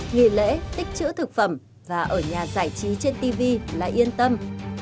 nghỉ lễ tích chữ thực phẩm và ở nhà giải trí trên tv là yên tâm